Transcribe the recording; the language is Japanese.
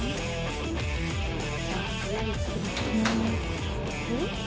「うん？」